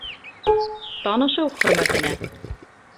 Танышыу хөрмәтенә!